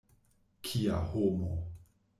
Kia homo!